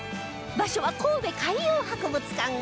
場所は神戸海洋博物館